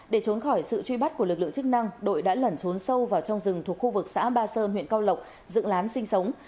để trốn khỏi sự truy bắt của lực lượng chức năng đội đã lẩn trốn sâu vào trong rừng thuộc khu vực xã ba sơn huyện cao lộc dựng lán sinh sống